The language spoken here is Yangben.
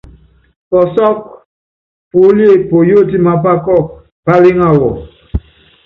Pɔsɔ́kɔ́ puólíe póyótí mapá kɔ́ɔku, pálíŋa wɔ.